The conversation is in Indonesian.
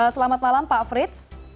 selamat malam pak frits